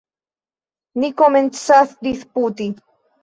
Ni komencas disputi.